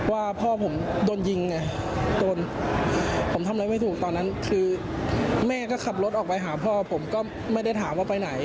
ว่าพ่อผมโดนยิงไงโดนผมทำอะไรไม่ถูกตอนนั้นคือแม่ก็ขับรถออกไปหาพ่อผมก็ไม่ได้ถามว่าไปไหน